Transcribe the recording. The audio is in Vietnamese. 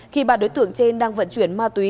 khi ba đối tượng trên đang vận chuyển ma túy